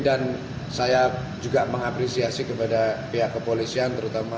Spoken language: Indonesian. dan saya juga mengapresiasi kepada pihak kepolisian